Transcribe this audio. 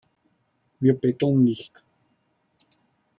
Wir betteln nicht.